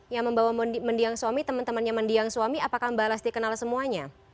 yang membawa mendiang suami teman temannya mendiang suami apakah mbak lasti kenal semuanya